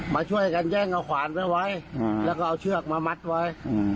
มาช่วยกันแย่งเอาขวานไว้แล้วก็เอาเชือกมามัดไว้